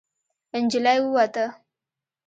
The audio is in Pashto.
نجلۍ ووته.